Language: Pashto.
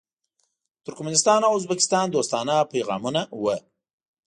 د ترکمنستان او ازبکستان دوستانه پیغامونه وو.